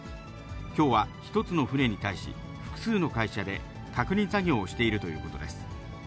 きょうは１つの船に対し、複数の会社で確認作業をしているということです。